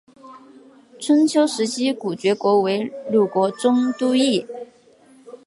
春秋时期古厥国为鲁国中都邑。